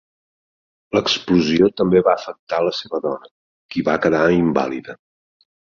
L'explosió també va afectar la seva dona, qui va quedar invàlida.